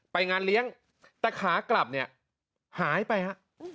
ไปงานเลี้ยงแต่ขากลับเนี่ยหายไปฮะ